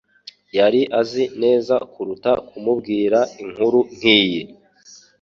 Yari azi neza kuruta kumubwira inkuru nkiyi